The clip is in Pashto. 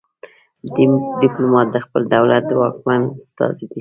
ډیپلومات د خپل دولت د واکمن استازی دی